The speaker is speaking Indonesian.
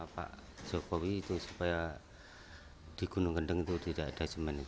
pak jokowi itu supaya di gunung kendeng itu tidak ada jemen itu